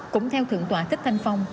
cũng theo thượng tòa thích thanh phong